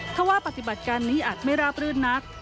ถ้าว่าปฏิบัติการนี้อาจไม่ราบรื่นนัก